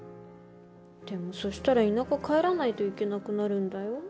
でもそしたら田舎帰らないといけなくなるんだよ。